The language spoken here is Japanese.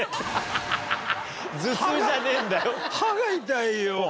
歯が歯が痛いよ。